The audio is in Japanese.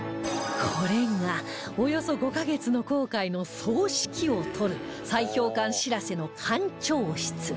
これがおよそ５カ月の航海の総指揮を執る砕氷艦「しらせ」の艦長室